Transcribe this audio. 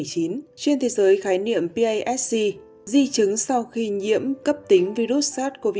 trên thế giới khái niệm pasc di chứng sau khi nhiễm cấp tính virus sars cov hai